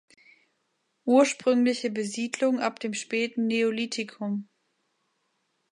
Ursprüngliche Besiedlung ab dem späten Neolithikum.